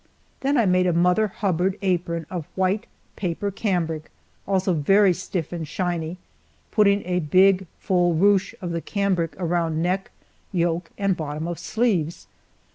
Then I made a Mother Hubbard apron of white paper cambric, also very stiff and shiny, putting a big full ruche of the cambric around neck, yoke, and bottom of sleeves.